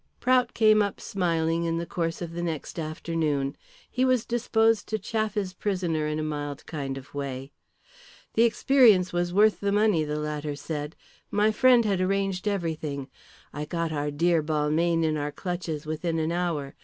Prout came up smiling in the course of the next afternoon. He was disposed to chaff his prisoner in a mild kind of way. "The experience was worth the money," the latter said. "My friend had arranged everything. I got our dear Balmayne in our clutches within an hour.